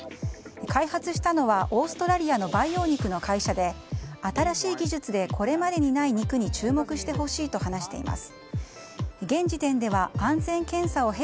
開発したのはオーストラリアの培養肉の会社で新しい技術でこれまでにない肉に注目してほしいと話しています。